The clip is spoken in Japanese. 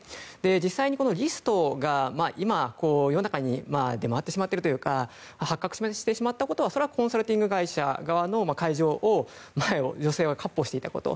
実際にこのリストが今、世の中に出回ってしまっているというか発覚してしまったことはコンサルタント会社側が会場を闊歩していたこと。